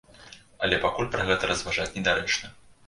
Але пакуль пра гэта разважаць недарэчна.